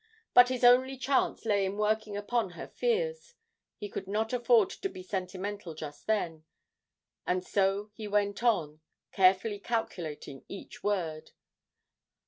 But his only chance lay in working upon her fears; he could not afford to be sentimental just then, and so he went on, carefully calculating each word.